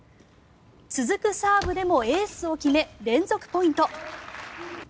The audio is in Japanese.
続くサーブでもエースを決め連続ポイント。